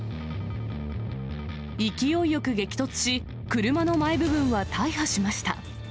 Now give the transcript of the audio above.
勢いよく激突し、車の前部分は大破しました。